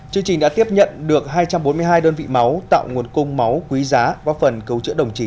chương trình đã tiếp nhận được hai trăm bốn mươi hai đơn vị máu tạo nguồn cung máu quý giá qua phần cấu trữa đồng chí